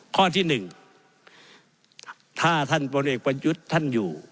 ข้อที่๑ถ้าท่านพลเอกประยุทธ์ท่านอยู่